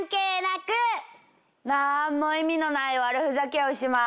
なんも意味のない悪ふざけをします。